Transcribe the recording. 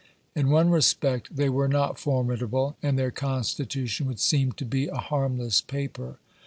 In one respect, they were not formidable, and their Constitution would seem to be a harmless paper.